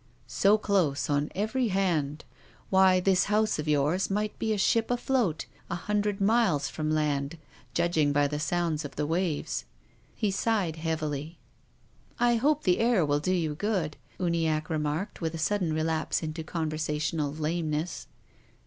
" So close on every hand. Why, this house of yours might be a ship afloat a hundred miles from land, judging by the sounds of the waves." He sighed heavily. " I hope the air will do you good," Uniacke re marked, with a sudden relapse into conversational lameness.